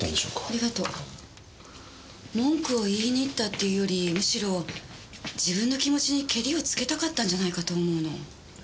文句を言いにいったっていうよりむしろ自分の気持ちにけりをつけたかったんじゃないかと思うの。